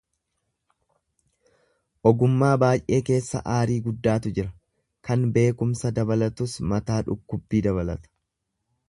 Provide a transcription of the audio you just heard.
ogummaa baay'ee keessa aarii guddaatu jira, kan beekumsa dabalatus mataa dhukkubbii dabalata.